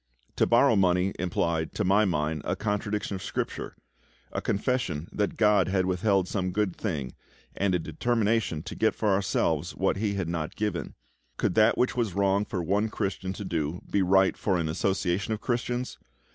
To borrow money implied, to my mind, a contradiction of Scripture a confession that GOD had withheld some good thing, and a determination to get for ourselves what He had not given. Could that which was wrong for one Christian to do be right for an association of Christians?